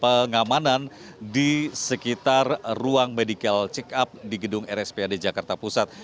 pengamanan di sekitar ruang medical check up di gedung rspad jakarta pusat